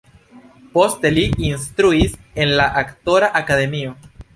Poste li instruis en la aktora akademio.